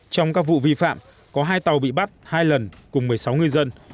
trong các vụ vi phạm có hai tàu bị bắt hai lần cùng một mươi sáu ngư dân